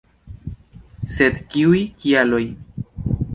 Sed kiuj kialoj?